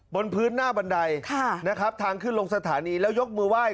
บนพื้นหน้าบันไดนะครับทางขึ้นลงสถานีแล้วยกมือไหว้